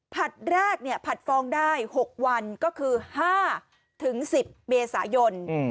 ผัดแรกเนี่ยผัดฟ้องได้หกวันก็คือห้าถึงสิบเมษายน